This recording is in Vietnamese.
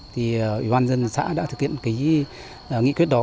thì ủy ban dân xã đã thực hiện cái nghị quyết đó